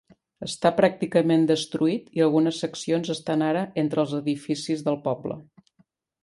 Està pràcticament destruït i algunes seccions estan ara entre els edificis del poble.